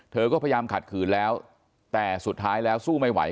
เธอก็พยายามขัดขืนแล้วแต่สุดท้ายแล้วสู้ไม่ไหว